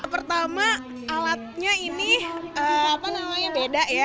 pertama alatnya ini beda ya